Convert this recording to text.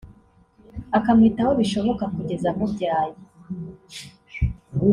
akamwitaho bishoboka kugeza amubyaye